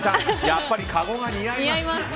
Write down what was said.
やっぱりかごが似合います。